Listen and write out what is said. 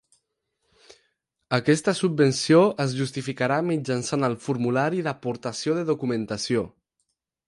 Aquesta subvenció es justificarà mitjançant el formulari d'Aportació de documentació.